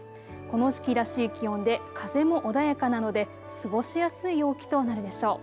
この時期らしい気温で風も穏やかなので過ごしやすい陽気となるでしょう。